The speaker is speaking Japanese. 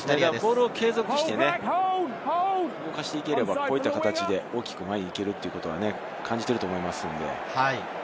ボールを継続して動かしていければ、こういった形で前に行けるということは感じていますので。